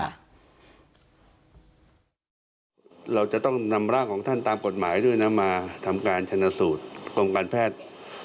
เราจะต้องนำร่างของท่านตามกฎหมายด้วยนะมาทำการชนะสูตรกรมการแพทย์